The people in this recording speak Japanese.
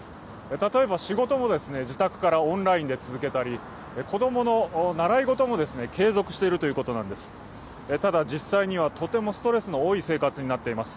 例えば仕事も自宅からオンラインで続けたり子供の習い事も継続しているということなんです。